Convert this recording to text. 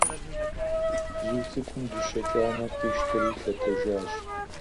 Бзу цӀыкӀум дыщэ кӀанэр къищтэри лъэтэжащ.